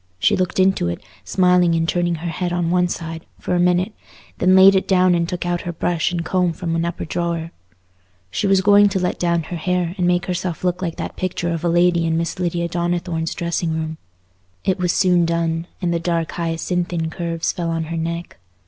She looked into it, smiling and turning her head on one side, for a minute, then laid it down and took out her brush and comb from an upper drawer. She was going to let down her hair, and make herself look like that picture of a lady in Miss Lydia Donnithorne's dressing room. It was soon done, and the dark hyacinthine curves fell on her neck.